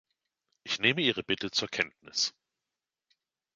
Ich nehme Ihre Bitte zur Kenntnis.